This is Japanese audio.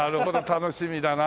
楽しみだなあ。